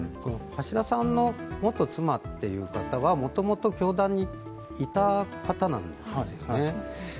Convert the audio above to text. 橋田さんの元妻という方はもともと教団にいた方なんですよね。